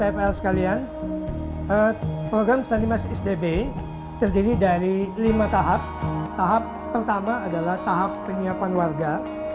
pertama tahap penyiapan warga